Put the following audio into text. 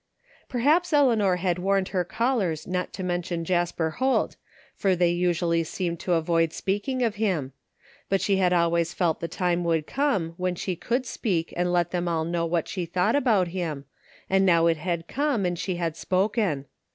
Perhaps Eleanor had warned her callers not to mention Jasper Holt, for they usually seemed to avoid speaking of him; but she had always felt the time would come when she could speak and let them all know what she thought about him, and now it had come and she had spoken.